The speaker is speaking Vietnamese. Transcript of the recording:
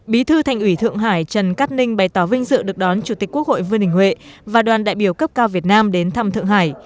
bí thư thành ủy thượng hải trần cát ninh bày tỏ vinh dự được đón chủ tịch quốc hội vương đình huệ và đoàn đại biểu cấp cao việt nam đến thăm thượng hải